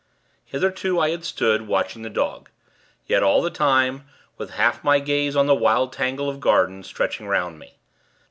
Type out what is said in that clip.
Hitherto, I had stood, watching the dog; yet, all the time, with half my gaze on the wild tangle of gardens, stretching 'round me.